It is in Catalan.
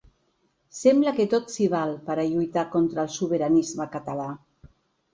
Sembla que tot s’hi val per a lluitar contra el sobiranisme català.